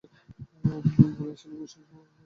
ঐগুলি স্থূল হইলে জড়বস্তুর উৎপত্তি হয়।